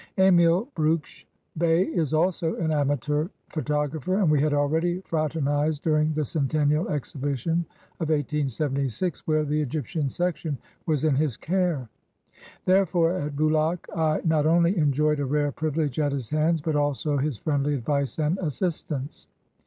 Emil Brugsch Bey is also an amateur photographer, and we had already fraternized during the Centennial Exhibi tion of 1876, where the Egyptian section was in his care. Therefore at Bulaq I not only enjoyed a rare privilege at his hands, but also his friendly advice and assistance.